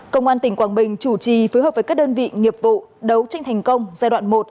công an tỉnh quảng bình chủ trì phối hợp với các đơn vị nghiệp vụ đấu tranh thành công giai đoạn một